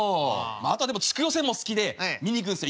あとは地区予選も好きで見に行くんですよ